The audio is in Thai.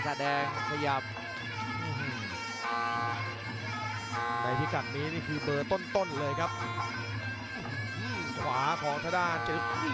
เจอสายครับนี่แหละครับเป็นมวยซ้ายจักครับดักจังหวะดี